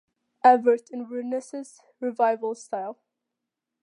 Everett in Renaissance Revival style.